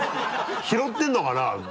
拾ってるのかな？